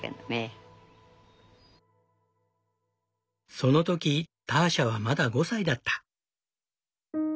その時ターシャはまだ５歳だった。